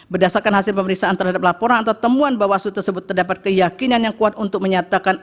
berdasarkan hasil pemeriksaan terhadap laporan atau temuan bawaslu tersebut terdapat keyakinan yang kuat untuk menyatakan